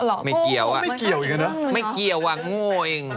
หลอกโกหกไม่เกี่ยวไม่เกี่ยวอ่ะโง่เอง